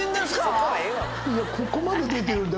もうここまで出てるんだ。